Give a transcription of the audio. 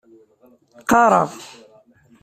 Qqareɣ.